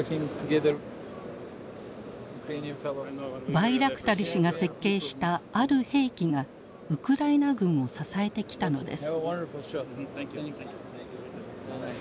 バイラクタル氏が設計したある兵器がウクライナ軍を支えてきたのです。